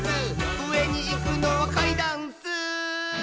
「うえにいくのはかいだんッスー」